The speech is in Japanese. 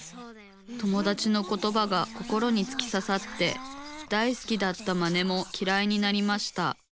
友だちのことばが心につきささって大好きだったマネもきらいになりました。